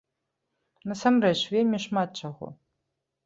Насамрэч, вельмі шмат чаго!